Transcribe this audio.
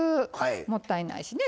もったいないしね。